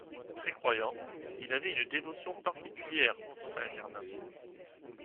Très croyant, il avait une dévotion particulière pour saint Germain.